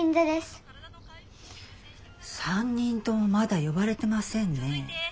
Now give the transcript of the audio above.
３人ともまだ呼ばれてませんね。